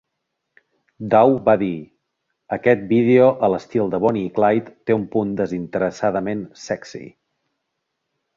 Daw va dir: "Aquest vídeo a l'estil de Bonnie i Clyde té un punt desinteressadament 'sexy'".